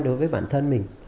đối với bản thân mình